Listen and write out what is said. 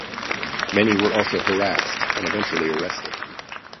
Many were also harassed and eventually arrested.